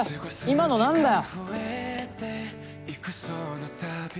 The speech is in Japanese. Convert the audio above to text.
今の何だよ。